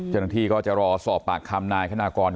เจือนที่ก็จะรอสอบปากคามนายขณะก่อน